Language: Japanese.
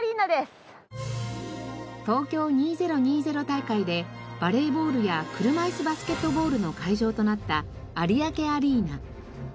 大会でバレーボールや車いすバスケットボールの会場となった有明アリーナ。